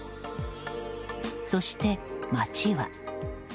そして、街は。